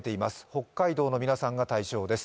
北海道の皆さんが対象です。